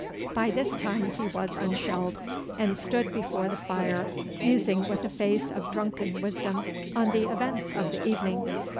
By this time he was unshelled, and stood before the fire musing with a face of drunken wisdom on the events of the evening.